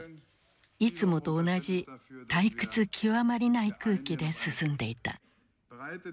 いつもと同じ退屈極まりない空気で進んでいた。